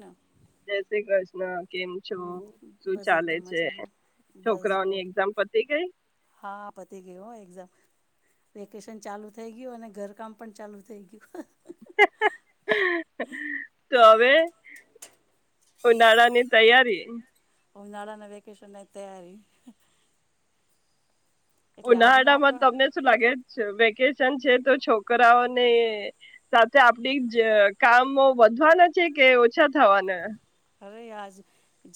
ના. જય શ્રી કૃષ્ણ. હમ બસ એકદમ બસ જો હા પતી ગયોમ હા એક્ઝામ. વેકેશન ચાલુ થઇ ગયું અને ઘર કામ પણ ચાલુ થઇ ગયું. તો હવે ઉનાળાની તૈયારી હ નાળના વેકેેશન તૈયારી. ઉનાળા માં તમને શું લાગે જ છે છે તો છોકરાઓને સાથે આપડી કામો વધવાના છે કે ઓછા થવાના? અરે આજ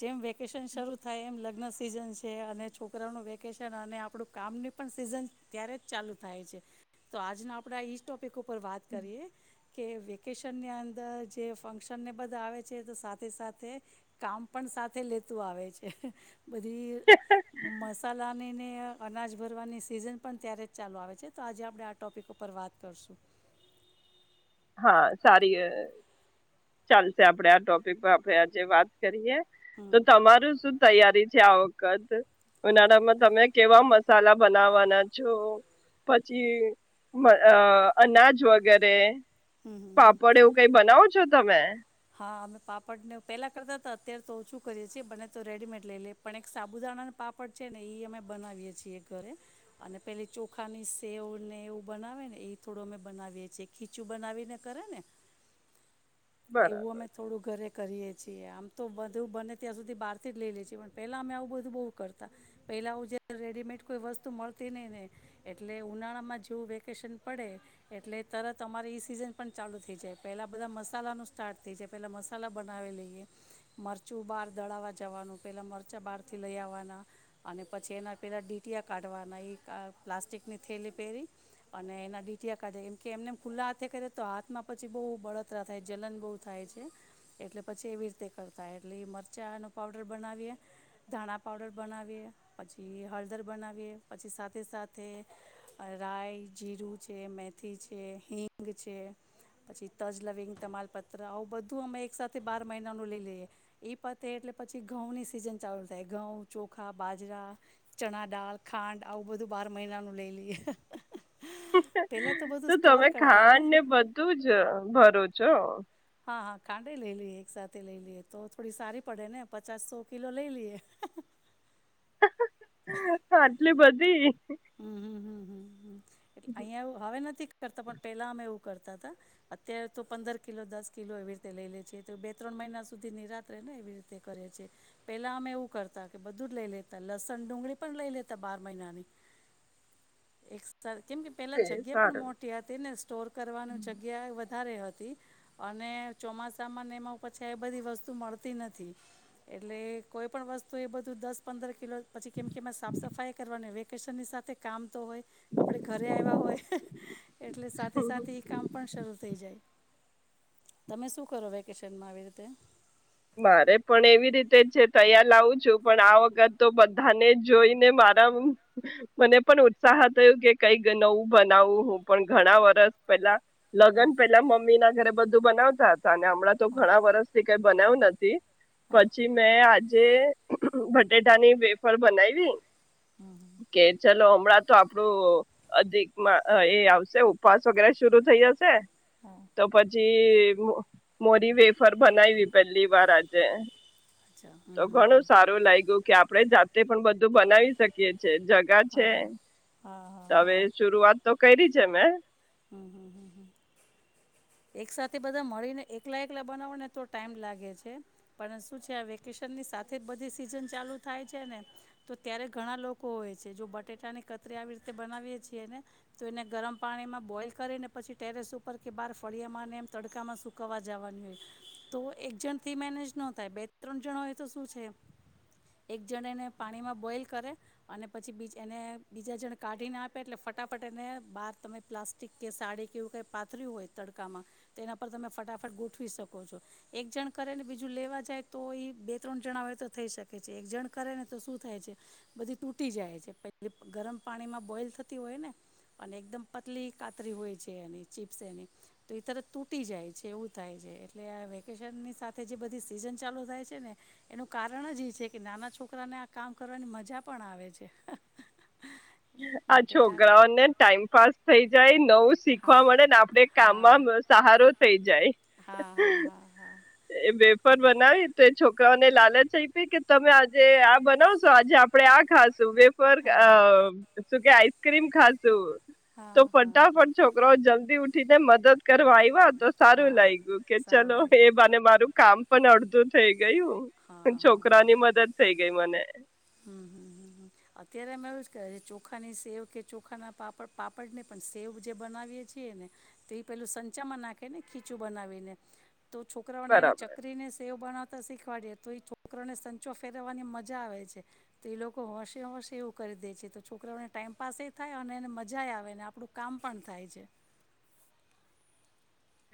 જેમ વેકેશન શરૂ થાય એમ લગ્ન સિઝન છે અને છોકરાઓનું વેકેશન અને આપણું કામની પણ સીઝન ત્યારે જ ચાલુ થાય છે, તો આજના આપણે ઈસ્ટો વાત કરીએ કે વેકેશનની અંદર જે ફંક્શનને બધા આવે છે તો સાથે સાથે કામ પણ સાથે લેતું આવે છે. બધી મસાલાનીને અનાજ ભરવાની સીઝન પણ ત્યારે જ ચાલુ આવે છે તો આજે આપ આ ટોપિક ઉપર વાત કરશું. હા સારી ચાલશે આપડે આ ટોપિક પર આપણે આજે વાત કરીએ. તો તમારું શું તૈયારી છે આ કદ. ઉનાળા માં તમે કેવા મસ મસાલા બનાવવાના છો પછી અ અનાજ વગેરે. પાપડ એવું કઈ બનાવો છો તમે. હા અમે પાપડને પહેલાં કરતાં તો અત્યારે તો ઓછું કરીએ છીએ બને તો રેડીમેડ લઈ લે પણ એક સાબુદાણાના પાપડ છે ને એ અમે બનાવીએ છીએ ઘરે અને પેલી ચોખાની સેવ ને એવું બનાવે ને એ થોડું અમે બનાવીએ છીએ ખીચું બનાવીને કરે ને એવું અમે થોડું ઘરે. કરીએ છીએ આમ તો બધું બને ત્યાં સુધી બહારથી જ લઈ લે છીએ પણ પહેલાં અમે આવું બધું બહુ કરતા પહેલાં આવું જે રેડીમેડ કોઈ વસ્તુ મળતી નહીં ને એટલે ઉનાળામાં જેવું વેકેશન પડે એટલે તરત અમારે એ સિઝન પણ ચાલુ થઈ જાય પહેલાં બધા મસ્ત મસાલાનું સ્ટાર્ટ થઈ જાય પેલા મસાલા બનાવી લઈએ મરચું બહાર દળાવવા જવાનું પહેલાં મરચાં બહારથી લઈ આવવાના અને પછી એનાં પહેલાં ડીટીિયા કાઢવાના એ પ્લાસ્ટિકની થેલી પહેરી અને એના ડીટીિયા કાઢે એમ કે એમને એમ ખુલ્લા હાથે કરે તો હાથમાં પછી બહુ બળ બળતરા થાય જલન બહુ થાય છે એટલે પછી એવી રીતે કરતા એટલે મરચાંનો પાવડર બનાવીએ ધાણા પાવડર બનાવીએ પછી હળદર બનાવીએ પછી સાથે સાથે રાય જીરું છે મેથી છે હિંગ છે પછી તજ લવિંગ તમામાલપત્ર આવું બધું અમે એક સાથેથે બાર મહિનાનું લઈ લઈએ એ પતે એટલે પછી ઘઉંની સિઝન ચાલુ થાય ઘઉં ચોખા બાજરા ચણા ડાળ ખાંડ આવું બધું બાર મહિનાનું લઈ લઈએ. હાહા હાહા તો તમે ખાંડ ને બધું જ ભરો છો હા હા કાંડે લઈ લઈએ એક સાથેથે લઈ લઈએ તો થોડી સારી પડે ને પચાસ સો કિલો લઈ લઈએ. હાહા આટલી બધી. હમ હમ હમ હમ હ. અહિયાયા એવું હવે નથી કરતા પણ પેલા અમે એવું. કરતા હતા અત્યારે તો પંદર કિલો દસ કિલો એવી રીતે લઈ લે છીએ તો બે ત્રણ મહિના સુધી નિરાત્રે ને એવી રીતે કરએ છ છે પહેલાં અમે એવું કરતા કે બધું જ લઈ લેતા લસણ ડુંગળી પણ લઈ લેતા બાર મહિનાની. એક સર. કેમ કે પેલા જગ્યા પણ મોટી હતી ને સ્ટોર કરવાનું જગ્યા વધારે હતી અને ચોમાસામાં ને એમાં પછી એ બધી વસ્તુ મળતી નથી એટલે કોઈ પણ વસ્તુ એ બધું દસ પંદર કિલો પછી કેમ કેમ સાફ સફાઈ કરવાની વ્ય કેશનની સાથે કામ તો હોય આપે ઘરે આવ્યા હોય હા એટલે સાથે સાથે એ કામ પણ શરૂ થઈ જાય. તમે શું કરો વેકેશનમાં આવી રીતે. મારે પણ એવી રીતે છે તૈયાર લાવું છું પણ આ વખત તો બધાને જોઈ ને મારા મને પણ ઉત્સાહ થું કે કઈક નવું બનાવું હું પણ ઘણા વરસ પેલા લગ્ન પેલા મમ્મી ના ઘરે બધું બનાવ અને હમણાં તો ઘણા વર્ષથી ક બનાવ પછી પછી મેં આજ જે બટેટાની વેફર બનાવી કે ચાલો હમણાં તો આપડું અ અધિક મા એ આવશે ઉપવાસ વગેરે શરુ થઈ જશે. તો પછી પછી મો.. મોરી વેફર બનાઈવી. પહેલી વાર આજે તો ઘણું સારું લાગ્યું કે આપડે જાતે તે પણ બધું બનાવી શકીએ. જગા છે. હવે શરૂઆત તો કરી. જમે. હમ. એક સાથેથે બધા મળીને એકલા એકલા બનાવોને તો ટાઈમ લાગે છે. પણ શું છે આ વેકેશનની સાથે જ બધી સીઝન ચાલુ થાય છે ને તો ત્યારે ઘણા લોકો હોય છે. જો બટેટા ની કતરી આવી રીતે બનાવીએ છીએ ને તો એને ગરમ પાણીમાં બોઇલ કરીને પછી ટેરેસ ઉપર કે બહાર ફળિયામાં અને એમ તડકામાં સુકવવા જવાની હોય તો એક જણથી મેનેજ ન થાય. બે ત્રણ જણએ તો શું છે એક જણ એને પાણીમાં બોઈલ કરે અને પછી બી એને બીજા જણ કાઢીને આપે એટલે ફટાફટ એને બહાર તમે પ્લાસ્ટિક કે સાડી કે એવું કંઈ પાથર્યું હોય તડકામાં તો એના પર તમે ફટાફટ ગોઠવી શકો છો. એક જણ કરે ને બીજું લેવા જાય તો એ બે ત્રણ જણા હોય તો થઈ શકે છે. એક જણ કરે ને તો શું થાય છે બધી તૂટી જાય છે. પ ગરમ પાણીમાં બોઈલ થતી હોય ને અને એકદમ પતલી. કાતરી હોય છે એની ચીપ્સ એની તો એ તરત તૂટી જાય છે એવું થાય છે એટલે આ વેકેશનની સાથે જે બધી સિઝન ચાલુ થાય છે ને એનું કારણ જ એ છે કે નાના છોકરાને આ કામ કરવાની મજા પણ આવે છે. આ છોકરાઓને ટાઈમ પાાસ થઈ. જાય, નવું શીખવા મળે ને આપણે કામમાં સહારો થઈ જાય. એ બેફર બનાવી તો એ છોકરાઓને લાલચ આઈપી કે તમે આજે આ બનાવશો આજે આપડે આ ખાશું. તો [unintelligible] શું કે આઈસ ક્રીમ ખાશો. તો ફટાફટ છોકરાઓ જલ્દી ઉઠ મદદ. કરવા આયવા તો સારું લાગય્યું કે ચલો એ મારું કામ પણ અડધું થઈ ગયું છોકરા ની મદદ થઈ ગઈ. મને. હમ હમ. અત્યારે એમાં એવું સે કે ચોખાની સેવ કે ચોખાના પાપડ પાપડ નહીં પણ સેવ જે બનાવીએ છીએ ને, તે પેલું સંચામાં નાખે ને ખીચું બનાવીને. તો છોકરાઓને એની ચકરીને સેવ. બનાવતા શીખવાડીએ તો છોકરો ને સંચો ફેરવવાની મજા આવે છે. તો એ લોકો હોશે હોશે એવું કરી દે છે તો છોકરાઓને ટાઈમપાસ થાય અને એને મજા આવે આપણું કામ પણ થાય છે.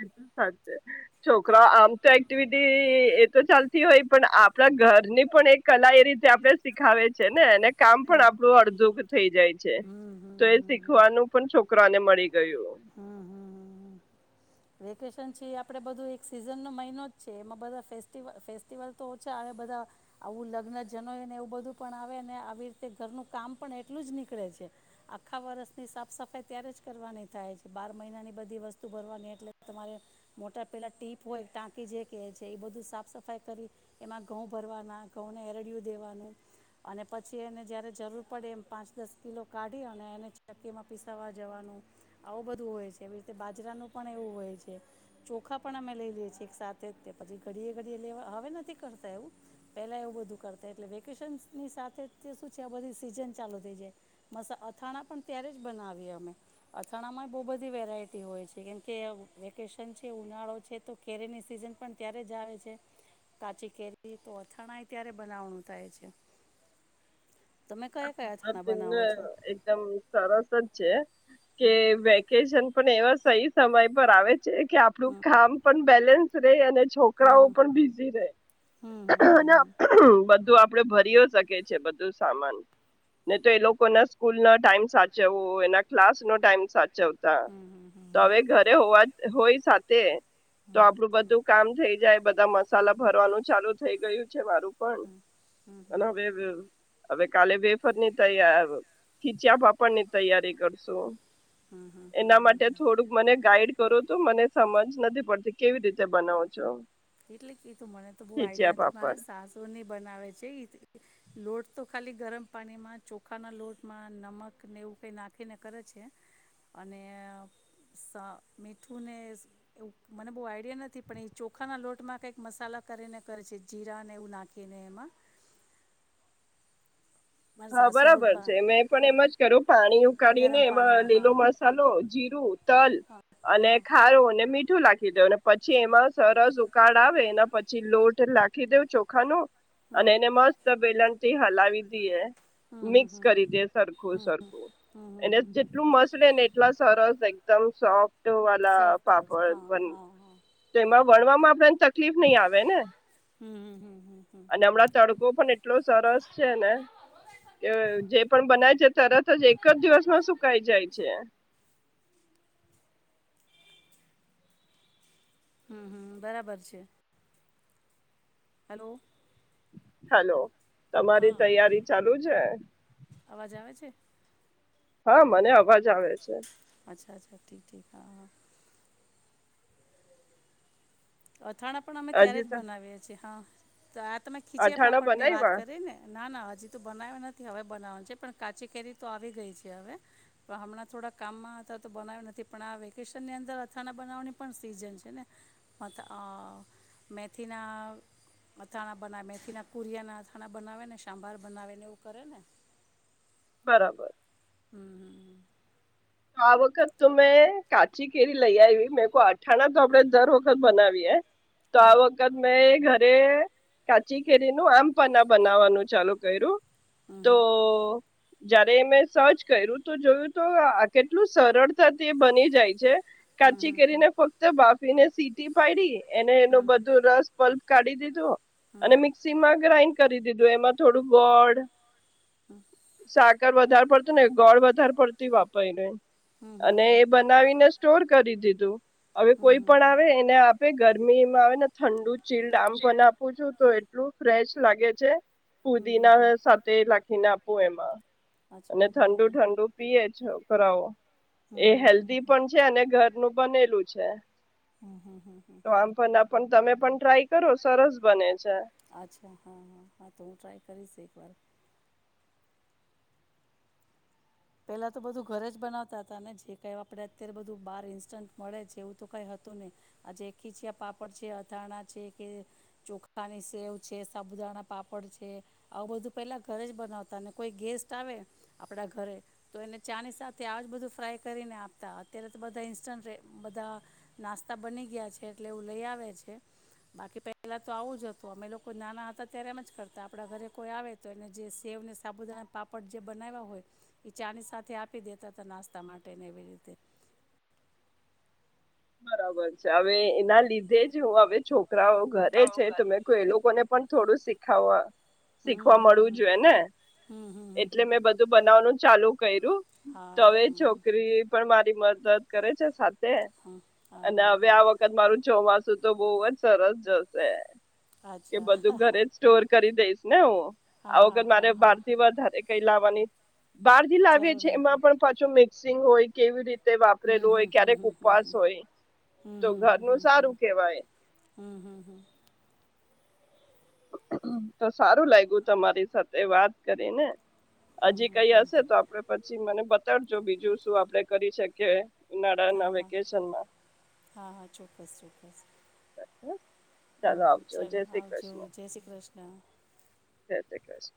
એ સાચે છોકરા આમ તો એક્ટિવિટી એ તો ચાલતી હોય પણ આપણા ઘરની પણ એક કલા એ રીતે આપણે શીખાવે છે ને એને. કામ પણ આપણું અડધું થઈ જાય છે. તો એ શીખવાનું પણ છોકરાને મળી ગયું. વેકેશન છે આપડે બધું એક સીઝનનો મહિનો જ છે. એમાં બધા ફેસ-ફેસ્ટિવલ તો ઓછા આવે બધા આવું લગ્ન જનોય ને એવું બધું પણ આવે આવી. તે ઘરનું કામ પણ એટલું જ નીકળે છે. આખા વર્ષની સાફ સફાઈ ત્યારે જ કરવાની થાય છે. બાર મહિનાની બધી વસ્તુ ભરવાની એટલે તમારે મોટા પહેલાં ટીપ હોય ટાંકી જે કહે છે, એ બધું સાફ સફાઈ કરી એમાં ઘઉં ભરવાના ઘઉંને એરડિયું દેવાનું અને પછી. જે એને જ્યારે જરૂર પડે એમ પાંચ દસ કિલો કાઢી અને એને ચકીમાં પીસાવવા જવાનું. આવું બધું હોય છે એવી રીતે બાજરાનું પણ એવું હોય છે ચોખા પણ અમે લઈ લઈએ છીએ. એક સાથે જ તે પછી ઘડીએ ઘડીએ લેવા હવે નથી કરતા એવું, પહેલાં એવું બધું કરતા એટલે વેકેશન્સની સાથે જ. શું છે આ બધી સીઝન ચાલુ થઈ જાય. મસ અથાણા પણ ત્યારે જ બનાવીએ અમે અથાણામાં બહુ બધી વેરાયટી હોય છે. કેમ કે વેકેશન છે, ઉનાળો છે તો કેરીની સિઝન પણ ત્યારે જ આવે છે. કાચી કેરી. તો અથાણાય ત્યારે બનાવણું થાય છે. [unintelligible] એકદમ સરસ જ છે. કે વેકેશન. પણ એવા સહી સમય પર આવે છે. કે આપડું કામ પણ બેલેન્સ. સ રયે અને છોકરાઓ પણ બીઝી રયે. અને બધું આ આપડે ભરીયો શકી છે બધું સામાન. ન તો એ લોકો ના સ્કૂલનો ટાઈમ સાચવો, એના ક્લાસ નો ટાઈમ સાચ ચવતા. તો હવે ઘરે હોવા જ હોય સાથે. તો આપડું બધું કામ થઈ જાય. બધા મસાલા ભરવાનું ચાલુ થઇ ગયું. છે મારું પણ એનો વેગ. અ. કાલે બેફર ની તૈય ખીચા પાપડ ની તૈયારી કરશું. એના માટે થોડુંક મને ગાઈડ. કરો તો મને સમજ નથી પડતી કેવી રીતે બનાવ છો. એટલે કેતો મને તો બહ આઈડિયા નથી મારા સાસુ ને બનાવે છે. લોટ તો ખાલી ગરમ પાણીમાં ચોખાના લોટમાં નમકને એવું કંઈ નાખીને કરે છે અને સ મીઠુંને એવું મને બહુ આઈડિયા નથી પણ એ ચોખાના લોટ. ચટમાં કઈક મસાલા કરીને કરે છે જીરા ને એવું નાખીને એમાં. હા બરાબર છે મે પણ એમ જ કરું પાણી ઉકાળીને એમાં લીલો મસાલો જીરું તલ અને ખારો અને મીઠું લખી દેને. પછી એમાં સરસ ઉકાળ આવે એના પછી લોટ લખી દેવ ચોખા ન. અને એને મસ્ત. હલાવી દી એ. મિક્સ કરી દે સરખું સરખું એને જેટલું મસડે ને એટલા સરસ. એકદમ સોફ. વાલા પાપડ તો એમાં વણવામાં આપડને તકલીફ નહી આવે ને અને હમણાં તડકો પણ એટલો સરસ છે ને. કે જે પણ બનાય છે તરત જ એક જ દિવસમાં સુકાાય જાય છે. હમ હમ બરાબર છે. હેલો. હલો. તમારી તૈયારી ચાલુ છે. અવાજ આવે છે. હા મને અવાજ આવે છે. અચ્છા અચ્છા ઠીક ઠીક હા હા. અથાણા પણ અમે ત્યારે જ બનાવીએ છીએ હા. તો આ તમે ખીચયા પાપડ ની વાત કરી ને ના ના હજી તો બનાવે નથી. હવે બનાવવાનું છે પણ કાચી કેરી તો આવી ગઈ છે હવે પણ હમણાં થોડા કામમાં હતા તો બનાવ્યા નથી પણ આ વેકેશનની અંદર અથાણા બનાવવાની પણ સીઝન છે ને. થ મેથીના અથાણા બનાવે મેથીના કુરિયાના અથાણા બનાવે ને સાંભાર બનાવે ને એવું કરે ને. બરાબર. હમ હમ. તો આ વખત તો મેં કાચી કેરી લઈ આવી મેં કો અઠાણા તો આપડે દર વખત બનાવીએે. તો આ વખત મેં ઘરે કાચી કેરી નું આમપના બનાવવાનું ચાલુ કર્યું તો જયારે મેં સર્ચ કર્યું તો જોયું તો કેટલું સરળતા તે બની જાય છે. કાચી કરીને ફક્ત બા પને સીટી પાયડી. એને એનું બધું રસ પલ કાઢી દીધું. અને મિક્સી માં ગ્રાઇન્ડ. કરી દીધું એમાં થોડું ગોડ. હમ્મ. સાકર વધારે પડતું ને ગોળ વધારે પડતી વાપર પડે. અને એ બનાવીને સ્ટોર કરી દીધું. હવે કોઈ પણ આવે એને આપે ગરમીમાં આવે ને ઠંડુ જ ચીલડ આમપન્ના આપું છું તો એટલું ફ્રેશ લાગે છે. પુદી ના સાથે લખીને આપું એમાં અને ઠંડુ ઠંડુ પીય જ કરાઓ. એ હેલ્ધી પણ છે અને ઘરનું બનેલું. છે. તો આમ પણ પણ તમે પણ ટ્રાય કરો સરસ બને છે. અચ્છા હા, હા, હા, તો હું ટ્રાય કરીશ એક વાર પેલા તો બધું ઘરેજ બનાવતા હતા ને જે કઈ આપડે અત્યારે બધું બહાર ઈન્સ્ટન્ટ મળે છે એવું તો કઈ હતું નઈ. આજે ખીચયા પાપડ છે, અથાણા છે, કે ચોખાની સેવ છે, સાબુદાણા પાપડ છે, આવું બધું પેલા ઘરે જ બનાવતા ને કોઈ ગેસ્ટ આવે આપડા ઘરે તો એને ચાની સાથે આજ બધું ફ્રાય કરીને આપતા. અત્યારે તો બધા ઈન્સ્ટન્ટ બધા નાસ્તા બની ગયા છે એટલે એવું લઈ આવે છે, બાકી પહેલાં તો આવું જ હતું અમે લોકો નાના હતા ત્યારે એમજ કરતા, આપણા ઘરે કોઈ આવે તો એને જે સેવને સાબુદાના પાપડ જે બનાવ્યા હોય એ ચાની સાથે આપી દેતા હતા નાસ્તા માટે ને એવી રીતે. બરાબર છે. હવે એના લીધે જ હું હવે છોક છકરાઓ ઘરે છે તો મે કહ એ લોકોને પણ થોડું શીખાવવા શીખવા મળવું જોઈએ ને, એટલે મેં બધું બનાવાનું ચાલુ કર્યું તો અવે છોકરી પણ મા રી મદદ કરે છે. ખાતેે અને હવે આ વખત મારું જોવાનું સું તો બહુ જ સરસ જશે. કે બધું ઘરે જ સ્ટોર કરી દઈશ નો આ વગર મારે બાર થી વાર વધારે કઈ લાવવાની બાર જિલ્લા આવએ છે એમાં પણ પાછો મે સું હોય કેવી રીતે? વાપરેલું હોય ક્યારેક ઉપવાસ હોય તો ઘરનું સારું કેહેવાય તો સારું લાગ્યું તમારી સાથે વાત કરીને હજી કઈ હશે તો આપડે પછી મને બત જો બીજું શું આપડે કરી શકીએ હા હા હા હા ચોક્કસ ચોક્કસ ચાલો આવજો જય શ્રી કૃષ્ણ હ જય શ્રી કૃષ્ણ.